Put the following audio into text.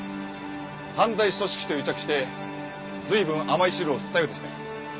犯罪組織と癒着して随分甘い汁をすったようですね。